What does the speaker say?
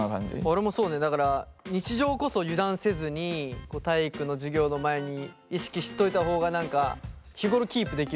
俺もそうねだから日常こそ油断せずに体育の授業の前に意識しといた方が何か日頃キープできるしみたいな。